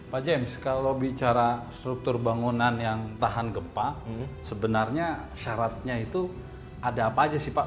pak james kalau bicara struktur bangunan yang tahan gempa sebenarnya syaratnya itu ada apa aja sih pak